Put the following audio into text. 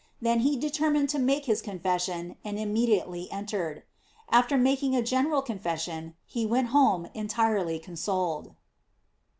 Then he determined to make hip confession, and immediately entered. After making a general confession, he went home entirely consoled.